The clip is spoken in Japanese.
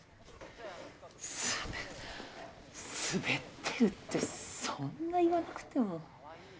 スベスベってるってそんな言わなくても。